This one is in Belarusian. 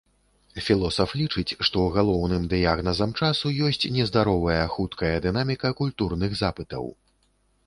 Філосаф лічыць, што галоўным дыягназам часу ёсць нездаровая хуткая дынаміка культурных запытаў.